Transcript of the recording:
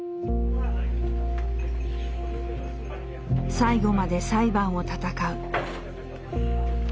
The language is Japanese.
最後まで裁判を闘う。